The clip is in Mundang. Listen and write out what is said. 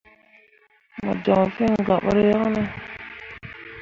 Mo joŋ fĩĩ gah ɓur yaŋne ?